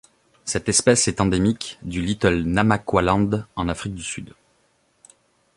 Cette espèce est endémique du Little Namaqualand en Afrique du Sud.